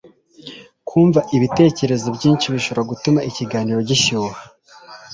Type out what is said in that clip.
kumva ibitekerezo byinshi bishobora gutuma ikiganiro gishyuha